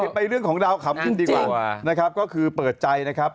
ไปเรื่องของดาวขับกินดีกว่านะครับก็คือเปิดใจนะครับ